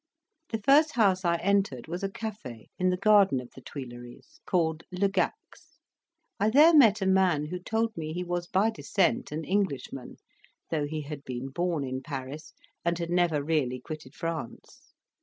The first house I entered was a cafe in the garden of the Tuilleries, called Legac's. I there met a man who told me he was by descent an Englishman; though he had been born in Paris, and had really never quitted France.